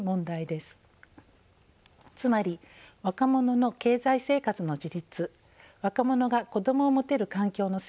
つまり若者の経済生活の自立若者が子どもを持てる環境の整備